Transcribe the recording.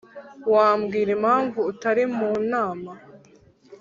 wambwira impamvu utari mu nama?